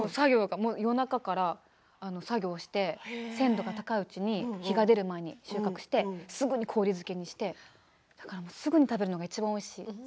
夜中から作業をして鮮度が高いうちに日が出る前に収穫してすぐに氷漬けにしてだからすぐに食べるのがいちばんおいしい。